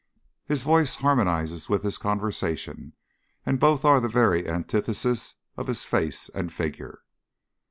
His voice harmonises with his conversation, and both are the very antithesis of his face and figure.